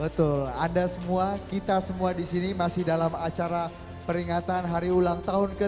betul anda semua kita semua di sini masih dalam acara peringatan hari ulang tahun ke tujuh puluh